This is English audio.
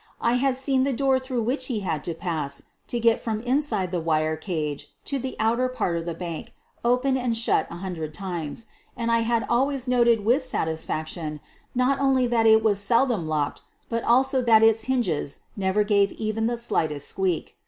I had seen the door through which he had to pass to get from inside the wire cage to the outer part of the bank opened and shut a hundred times r and I had always noted with satis faction not only that it was seldom locked but also that its hinges never gave even the slightest squeak.